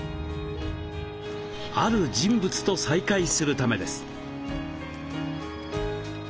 ある人物と再会するためです。